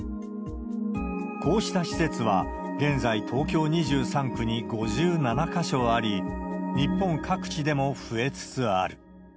こうした施設は、現在、東京２３区に５７か所あり、日本各地でも増えつつある。